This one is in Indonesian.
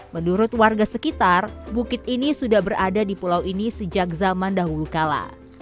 menurut warga sekitar bukit ini sudah berada di pulau ini sejak zaman dahulu kala